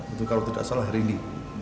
itu kalau tidak salah hari ini